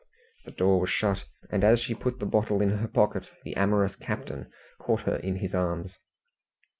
The door was shut, and as she put the bottle in her pocket, the amorous captain caught her in his arms.